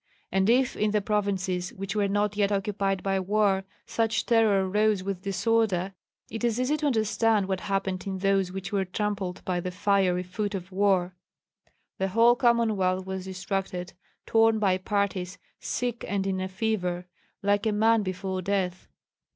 And if in the provinces, which were not yet occupied by war, such terror rose with disorder, it is easy to understand what happened in those which were trampled by the fiery foot of war. The whole Commonwealth was distracted, torn by parties, sick and in a fever, like a man before death.